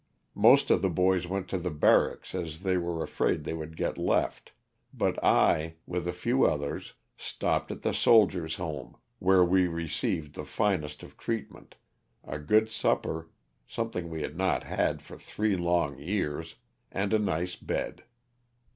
Most of the boys went to the barracks as they were afraid they would get left, but I, with a few others, stopped at the Soldier's home, where we received the finest of treatment, a good supper (something we had not had for three long years), and a nice bed.